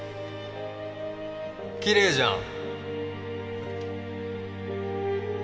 きれいじゃん。